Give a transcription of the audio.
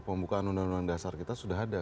pembukaan undang undang dasar kita sudah ada